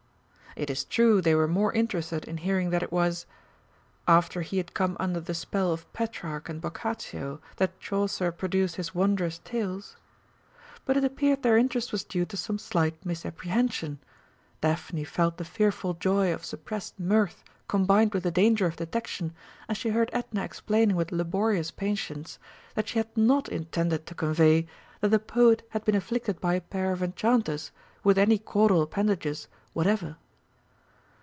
It is true they were more interested in hearing that it was: "after he had come under the spell of Petrarch and Boccaccio that Chaucer produced his wondrous Tales," but it appeared their interest was due to some slight misapprehension. Daphne felt the fearful joy of suppressed mirth combined with the danger of detection as she heard Edna explaining with laborious patience that she had not intended to convey that the Poet had been afflicted by a pair of enchanters with any caudal appendages whatever.